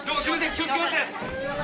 気をつけます。